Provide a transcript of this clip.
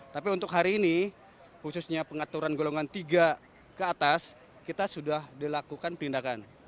tapi untuk hari ini khususnya pengaturan golongan tiga ke atas kita sudah dilakukan penindakan